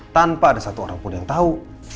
tanpa ada satu orang pun yang tahu